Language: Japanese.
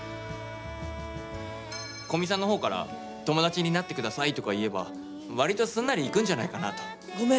古見さんの方から「友達になって下さい」とか言えば割とすんなりいくんじゃないかなと。